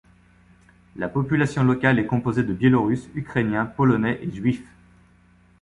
La population locale est composée de Biélorusses, Ukrainiens, Polonais et Juifs.